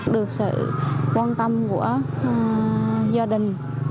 được sự quan tâm của gia đình